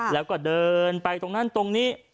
แล้วก็เดินไปตรงนั้นตรงนี้